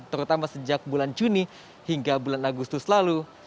terutama sejak bulan juni hingga bulan agustus lalu